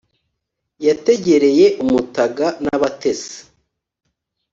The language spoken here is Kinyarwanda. Yategereye umutaga n’abatesi,